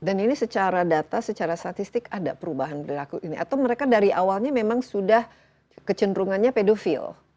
dan ini secara data secara statistik ada perubahan perilaku ini atau mereka dari awalnya memang sudah kecenderungannya pedofil